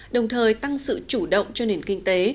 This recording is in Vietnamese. đồng thời tăng sự chủ động cho nền kinh tế